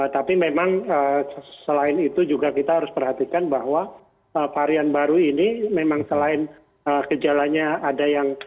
tapi memang selain itu juga kita harus perhatikan bahwa varian baru ini memang selain gejalanya ada yang